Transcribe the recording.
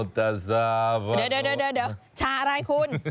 เดี๋ยวชาอะไรคุณ